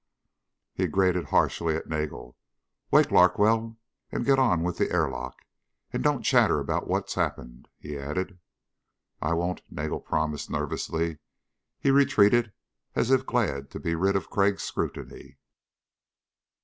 He grated harshly at Nagel: "Wake Larkwell and get on with the airlock. And don't chatter about what's happened," he added. "I won't," Nagel promised nervously. He retreated as if glad to be rid of Crag's scrutiny.